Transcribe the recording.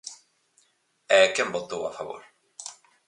E ¿quen votou a favor?